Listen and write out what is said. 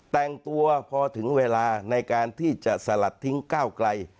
แต่งตัวพอถึงเวลาในการที่จะสลัดทิ้งก้าวไกล